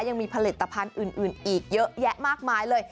ยังมีผลิตภัณฑ์อื่นอีกเยอะแยะมากมายเลย